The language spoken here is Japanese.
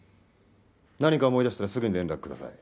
何か思い出したらすぐに連絡ください。